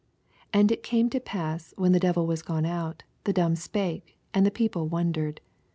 And it came to pass, when the devil was gone out, the dumb spake ; and the people wondered.